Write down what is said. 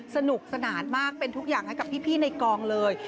สนุกสนานมากเป็นทุกอย่างให้กับพี่ในกองเลย